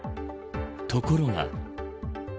ところが。